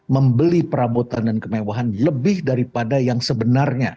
membeli perabotan dan kemewahan lebih daripada yang sebenarnya